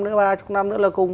nữa ba chục năm nữa là cùng